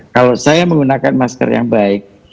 kalau saya menggunakan masker yang baik